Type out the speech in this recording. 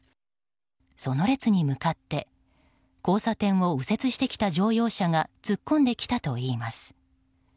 その列に向かって交差点を右折してきた乗用車が突っ込んできたといいます。